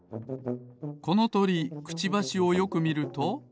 このとりクチバシをよくみると。